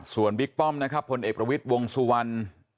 ส่วนบิ๊กป้อมนะครับพลเอกประวิทย์วงสุวรรณ